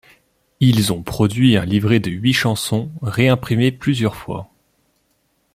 Ils ont produit un livret de huit chansons, réimprimé plusieurs fois.